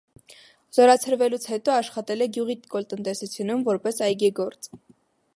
Զորացրվելուց հետո աշխատել է գյուղի կոլտնտեսությունում՝ որպես այգեգործ։